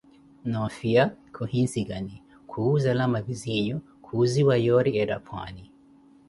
noofiya khuhinsikani, khuwuuzela mavizinho, khuuziwa yoori ettha pwani .